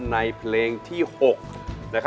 ในเพลงที่๖